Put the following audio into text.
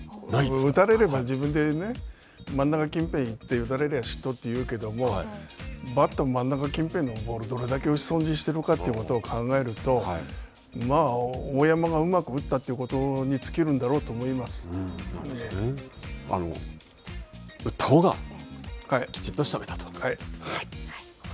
打たれれば、自分でね、真ん中近辺行って打たれれば、失投というけども、バッターは、真ん中近辺のボールをどれだけ打ち損じしてるかということを考えると、まあ、大山がうまく打ったということに尽きるん打ったほうがきちんとしとめたと。